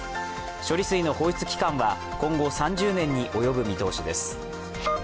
処理水の放出期間は今後、３０年に及ぶ見通しです。